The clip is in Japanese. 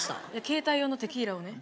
携帯用のテキーラをね。